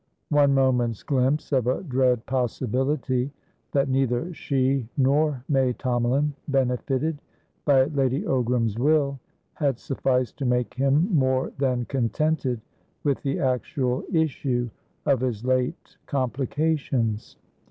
One moment's glimpse of a dread possibility that neither she nor May Tomalin benefited by Lady Ogram's will had sufficed to make him more than contented with the actual issue of his late complications.